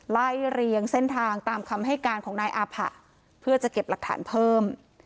ไล่เรียงเส้นทางตามคำให้การของนายอาผะเพื่อจะเก็บหลักฐานเพิ่ม